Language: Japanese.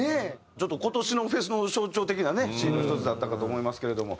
ちょっと今年のフェスの象徴的なねシーンの一つだったかと思いますけれども。